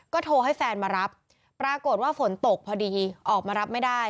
โทรให้แฟนมารับปรากฏว่าฝนตกพอดีออกมารับไม่ได้